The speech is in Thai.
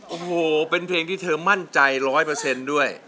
โอ้โหเป็นเพลงที่เธอมั่นใจร้อยเปอร์เซ็นต์ด้วย